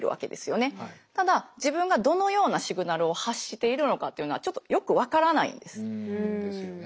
ただ自分がどのようなシグナルを発しているのかっていうのはちょっとよく分からないんです。ですよね。